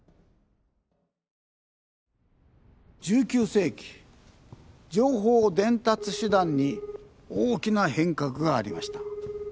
１９世紀情報伝達手段に大きな変革がありました。